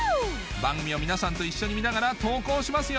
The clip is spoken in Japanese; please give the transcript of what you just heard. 番組を皆さんと一緒に見ながら投稿しますよ